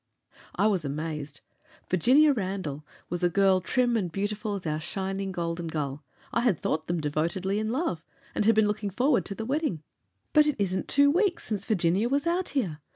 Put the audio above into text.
I was amazed. Virginia Randall was a girl trim and beautiful as our shining Golden Gull. I had thought them devotedly in love, and had been looking forward to the wedding. "But it isn't two weeks, since Virginia was out here!